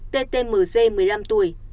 t t m g một mươi năm tuổi